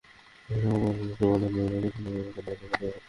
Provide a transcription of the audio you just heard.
টাকা পাওয়ার পরই আপনার ব্যাংকের হিসাব নম্বরে বরাদ্দের টাকা জমা দেওয়া হবে।